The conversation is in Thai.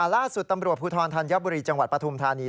ล่าสุดตำรวจภูทรธัญบุรีจังหวัดปฐุมธานี